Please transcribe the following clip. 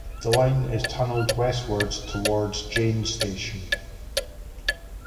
The line is tunneled westward toward Jane Station.